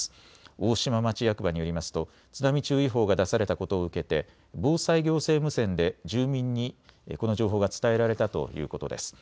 大島町役場によりますと津波注意報が出されたことを受けて防災行政無線で住民にこの情報が伝えられたということです。